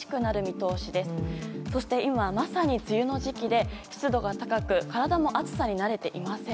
そして、今まさに梅雨の時期で湿度が高く体も暑さに慣れていません。